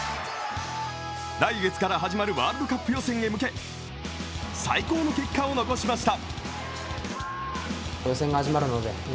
来月から始まるワールドカップ予選へ向け最高の結果を残しました。